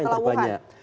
kedua yang terbanyak